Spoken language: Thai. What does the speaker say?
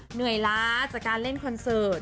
เหนื่อยล้าจากการเล่นคอนเสิร์ต